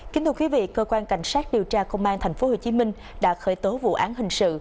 kính thưa quý vị cơ quan cảnh sát điều tra công an tp hcm đã khởi tố vụ án hình sự